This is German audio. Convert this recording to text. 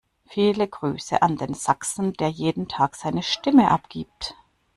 Viele Grüße an den Sachsen, der jeden Tag seine Stimme abgibt!